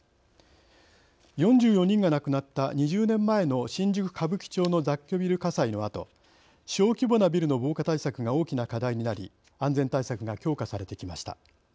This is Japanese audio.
４４人が亡くなった２０年前の新宿・歌舞伎町の雑居ビル火災のあと小規模なビルの防火対策が大きな課題になり安全対策が強化されてきました。